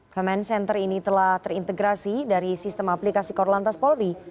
command center ini telah terintegrasi dari sistem aplikasi korlantas polri